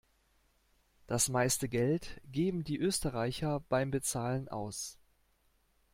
Das meiste Geld geben die Österreicher beim Bezahlen aus.